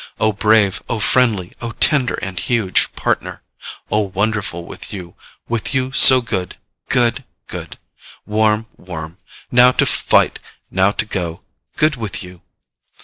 O brave, O friendly, O tender and huge Partner! O wonderful with you, with you so good, good, good, warm, warm, now to fight, now to go, good with you...."